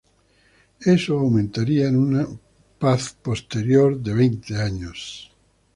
Eso aumentaría en una posterior paz de veinte años.